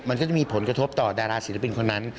มันก็จะมีผลกระทบต่อดาราศิลปินคนนั้น